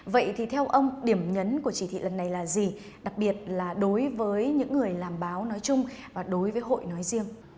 vậy thì theo ông điểm nhấn của chỉ thị lần này là gì đặc biệt là đối với những người làm báo nói chung và đối với hội nói riêng